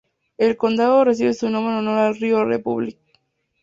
El condado recibe su nombre en honor al río Republic.